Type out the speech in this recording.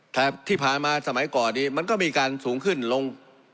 แต่ที่ผ่านมาสมัยก่อนนี้มันก็มีการสูงขึ้นลง